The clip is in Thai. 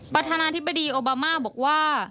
ประธานาธิบดีโอบามาบอกว่า